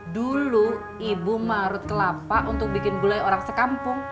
dulu ibu marut kelapa untuk bikin gulai orang sekampung